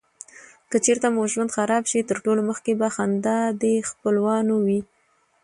که چیرته مو ژوند خراب شي تر ټولو مخکي به خندا دې خپلوانو وې.